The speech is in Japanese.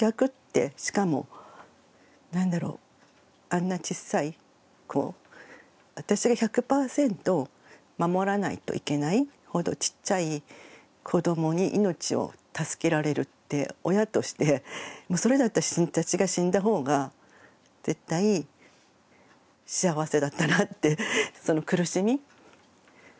しかもなんだろうあんなちっさい子私が１００％守らないといけないほどちっちゃい子どもに命を助けられるって親としてそれで私たちが死んだほうが絶対幸せだったなってその苦しみ。